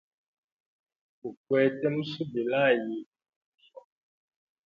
Gukwete musubila hayi.